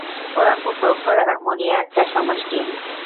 ওরা খুব প্রখর আর মরিয়া একটা সমষ্টি।